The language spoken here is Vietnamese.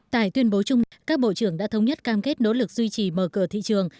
tại tuyên bố chung các bộ trưởng đã thống nhất cam kết nỗ lực duy trì mở cửa thị trường